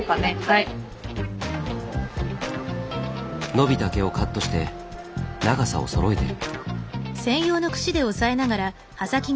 伸びた毛をカットして長さをそろえてる。